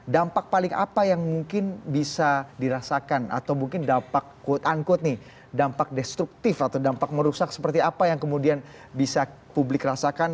dampak paling apa yang mungkin bisa dirasakan atau mungkin dampak quote unquote nih dampak destruktif atau dampak merusak seperti apa yang kemudian bisa publik rasakan